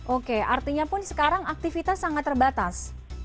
oke artinya pun sekarang aktivitas sangat terbatas